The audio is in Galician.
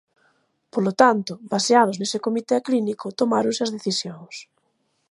Polo tanto, baseados nese comité clínico tomáronse as decisións.